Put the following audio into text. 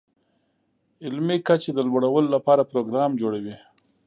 علمي کچې د لوړولو لپاره پروګرام جوړوي.